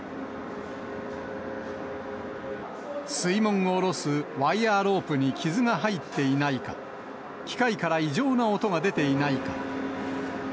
水門を下ろすワイヤーロープに傷が入っていないか、機械から異常な音が出ていないか。